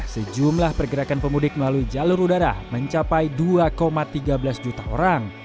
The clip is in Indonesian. sejumlah pergerakan pemudik melalui jalur udara mencapai dua tiga belas juta orang